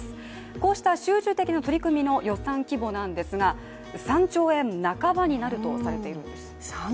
こうした集中的な取り組みの予算規模なんですが、３兆円半ばになるとされているんです。